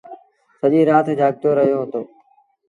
سڄيٚ رآت جآڳتو رهي دو۔